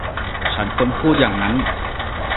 ฉันควรพูดอย่างนั้น !